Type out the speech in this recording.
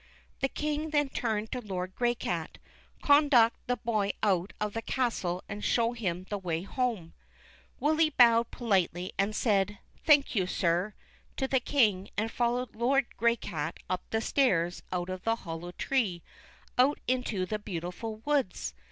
The King then turned to Lord Graycat :" Conduct the boy out of the castle and show him the way home." THE KING CAT. 379 Willy bowed politely and said, " Thank you, sir," to the King, and followed Lord Graycat up the stairs out of the hollow tree, out into the beautiful woods.